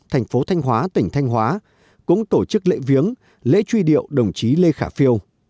thành phố thanh hóa tỉnh thanh hóa cũng tổ chức lễ viếng lễ truy điệu đồng chí lê khả phiêu